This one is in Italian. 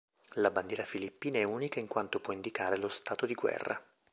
La bandiera filippina è unica in quanto può indicare lo stato di guerra.